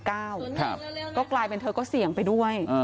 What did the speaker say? ก็กลายเป็นเธอก็เสี่ยงไปด้วย